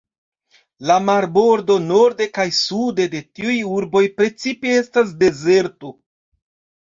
La marbordo norde kaj sude de tiuj urboj precipe estas dezerto.